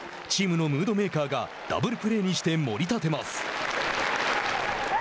チームのムードメーカーがダブルプレーにしてもり立てます。